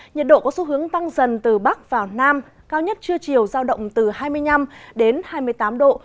nhiệt độ có xu hướng tăng dần từ bắc vào nam cao nhất trưa chiều giao động từ hai mươi năm đến hai mươi tám độ